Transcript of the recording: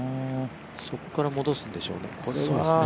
そこから戻すんでしょうね。